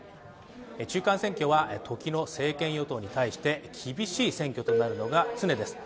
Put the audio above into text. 中間選挙は時の政権・与党に対して厳しい選挙となるのが常です。